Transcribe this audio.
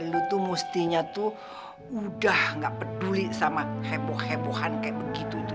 lu tuh mestinya tuh udah gak peduli sama heboh hebohan kayak begitu tuh